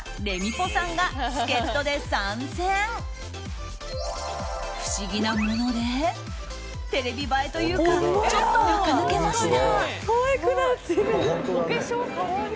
ぽさんが不思議なものでテレビ映えというかちょっと垢抜けました。